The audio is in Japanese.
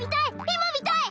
今見たい！